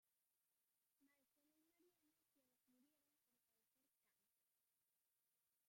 Marcela y Mariana quienes murieron por padecer cáncer.